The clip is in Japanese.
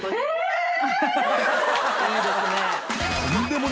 いいですね。